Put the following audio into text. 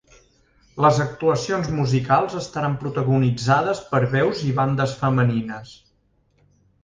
Les actuacions musicals estaran protagonitzades per veus i bandes femenines.